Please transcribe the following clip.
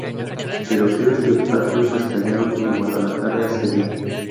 Tiroteos y obstáculos estallaron en Guadalajara ese día.